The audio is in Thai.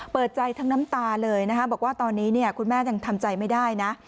เปิดใจทั้งน้ำตาเลยนะคะบอกว่าตอนนี้คุณแม่ยังทำใจไม่ได้นะ